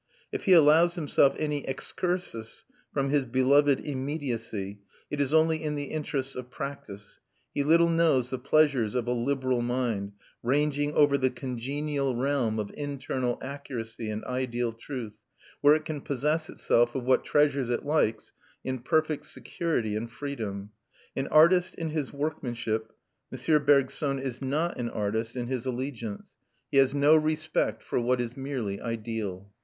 If he allows himself any excursus from his beloved immediacy, it is only in the interests of practice; he little knows the pleasures of a liberal mind, ranging over the congenial realm of internal accuracy and ideal truth, where it can possess itself of what treasures it likes in perfect security and freedom. An artist in his workmanship, M. Bergson is not an artist in his allegiance; he has no respect for what is merely ideal.